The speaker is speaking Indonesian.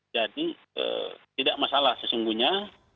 jadi tidak masalah sesungguhnya